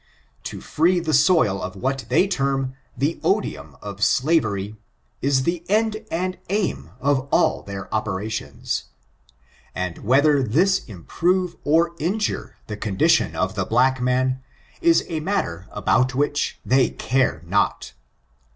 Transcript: To free the soil of what they term the odium of slavery, is the end and aim of all their operations; and whether this improve or injure the condition of the black man, is a matter about which they care not.